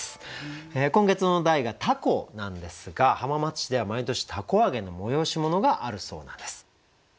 今月の題が「凧」なんですが浜松市では毎年凧揚げの催し物があるそうなんです。